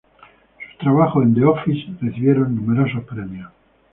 Sus trabajos en The Office recibieron numerosos premios.